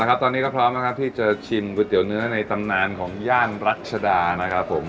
ตอนนี้ก็พร้อมนะครับที่จะชิมก๋วยเตี๋ยวเนื้อในตำนานของย่านรัชดานะครับผม